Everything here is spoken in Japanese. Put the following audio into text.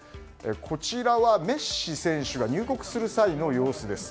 こちらはメッシ選手が入国する際の様子です。